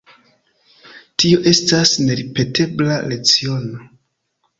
Tio estas neripetebla leciono.